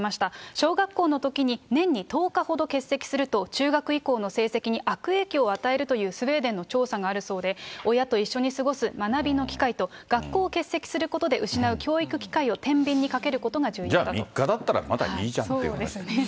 小学校のときに年に１０日ほど欠席すると、中学以降の成績に悪影響を与えるというスウェーデンの調査があるそうで、親と一緒に過ごす学びの機会と、学校を欠席することで失う教育機会をてんびんじゃあ３日だったら、まだいそうですね。